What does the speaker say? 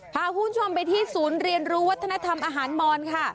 พาคุณผู้ชมไปที่ศูนย์เรียนรู้วัฒนธรรมอาหารมอนค่ะ